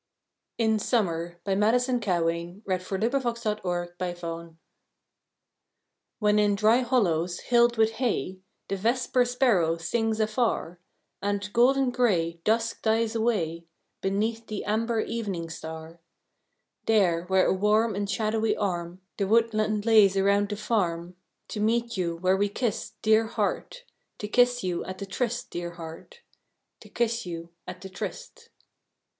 w her swim, Like a drowned face, a blur beneath the ice. IN SUMMER When in dry hollows, hilled with hay, The vesper sparrow sings afar; And, golden gray, dusk dies away Beneath the amber evening star: There, where a warm and shadowy arm The woodland lays around the farm, To meet you where we kissed, dear heart, To kiss you at the tryst, dear heart, To kiss you at the tryst!